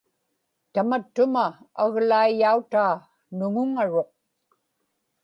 tamattuma aglaiyautaa nuŋuŋaruq